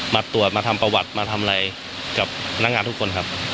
มาตรวจมาทำประวัติมาทำอะไรกับนักงานทุกคนครับ